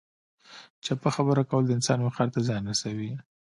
چپه خبره کول د انسان وقار ته زیان رسوي.